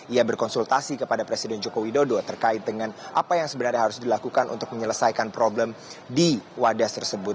ia berkonsultasi kepada presiden joko widodo terkait dengan apa yang sebenarnya harus dilakukan untuk menyelesaikan problem di wadas tersebut